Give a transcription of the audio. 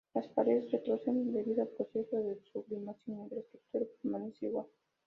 Las paredes retroceden debido al proceso de sublimación, mientras que el suelo permanece igual.